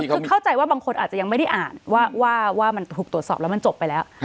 คือเข้าใจว่าบางคนอาจจะยังไม่ได้อ่านว่ามันถูกตรวจสอบแล้วมันจบไปแล้ว